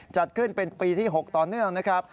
จัดขึ้นเป็นปีที่๖ต่อเนื่องนะครับ